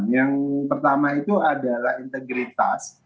yang pertama itu adalah integritas